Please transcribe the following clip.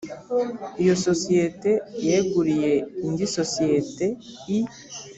iyo sosiyete yeguriye indi sosiyete i